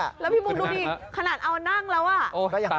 แล้วพี่บุ๊คดูดิขนาดเอานั่งแล้วอ่ะ